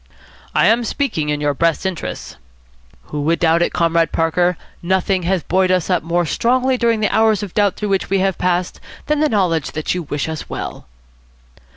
"I am speaking in your best interests." "Who would doubt it, Comrade Parker. Nothing has buoyed us up more strongly during the hours of doubt through which we have passed than the knowledge that you wish us well."